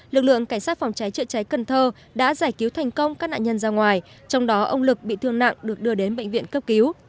lực lượng cảnh sát phòng cháy chữa cháy cần thơ đã giải cứu thành công các nạn nhân ra ngoài trong đó ông lực bị thương nặng được đưa đến bệnh viện cấp cứu